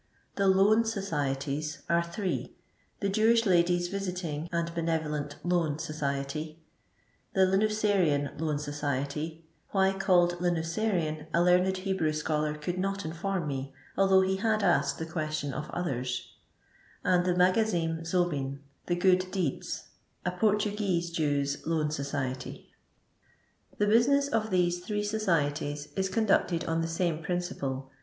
The Loon Societies are three: the Jewish Ladies Visiting and Benevolent Loan Society ; the Linniarian Loan Society (why called Linusa rian a learned Hebrew scholar could not inform me, althongh he had asked the question of others) ; and the Magaaim Zobim (the Good Deeds), a For tngnese JewV Loan Society. The business of these three societies is con ducted on the same principle.